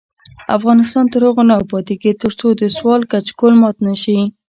افغانستان تر هغو نه ابادیږي، ترڅو د سوال کچکول مات نشي.